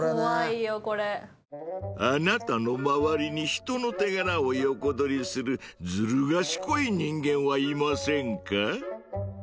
これアナタの周りに人の手柄を横取りするずる賢い人間はいませんか？